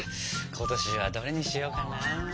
今年はどれにしようかな？